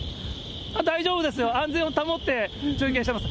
大丈夫ですよ、安全を保って中継しています。